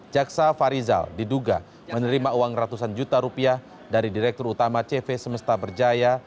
jaksa farizal diduga menerima uang ratusan juta rupiah dari direktur utama cv semesta berjaya